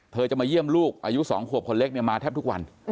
จะมาเยี่ยมลูกอายุ๒ขวบคนเล็กเนี่ยมาแทบทุกวัน